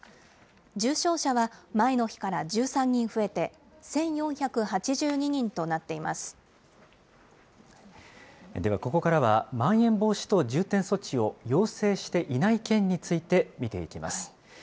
重症者は前の日から１３人増えて、ではここからは、まん延防止等重点措置を要請していない県について、見ていきます。